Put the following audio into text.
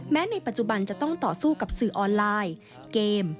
ในปัจจุบันจะต้องต่อสู้กับสื่อออนไลน์เกม